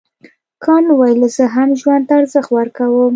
کانت وویل زه هم ژوند ته ارزښت ورکوم.